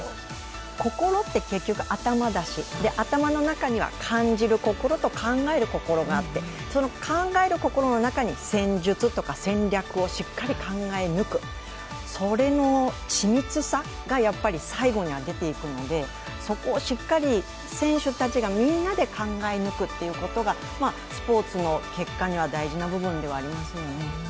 心って結局頭だし、頭の中には感じる心と考える心があって、その考える心の中に戦術や戦略をしっかり考え抜く、それの緻密さが最後には出ていくので、そこをしっかり選手たちがみんなで考え抜くということがスポーツの結果には大事な部分ではありますよね。